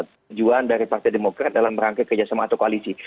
tujuan dari partai demokrat dalam rangka kerjasama atau koalisi